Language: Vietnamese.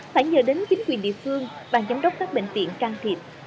phải nhờ đến chính quyền địa phương bàn giám đốc các bệnh viện can thiệp